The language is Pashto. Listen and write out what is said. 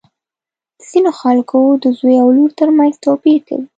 د ځینو خلکو د زوی او لور تر منځ توپیر کوي.